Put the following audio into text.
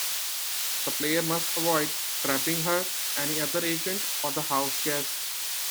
The player must avoid trapping her, any other agent, or the house guests.